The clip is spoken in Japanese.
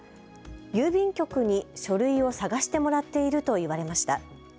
郵便局に書類を探してもらっていると言われました。